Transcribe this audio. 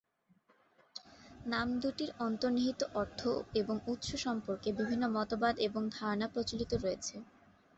নাম দুটির অন্তর্নিহিত অর্থ এবং উৎস সম্পর্কে বিভিন্ন মতবাদ এবং ধারণা প্রচলিত রয়েছে।